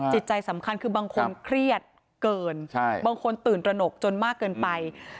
จิตใจสำคัญคือบางคนเครียดเกินบางคนตื่นตระหนกจนมากเกินไป